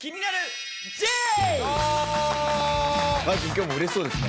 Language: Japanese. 今日もうれしそうですね。